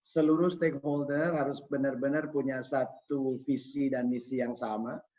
seluruh stakeholder harus benar benar punya satu visi dan misi yang sama